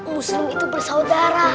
muslim itu bersaudara